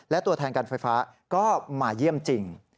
และตัวแทนการไฟฟ้าก็มาเยี่ยมจริง